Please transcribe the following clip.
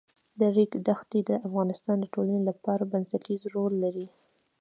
د ریګ دښتې د افغانستان د ټولنې لپاره بنسټيز رول لري.